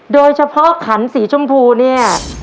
โดยเฉพาะขันสีชมพูเนี่ย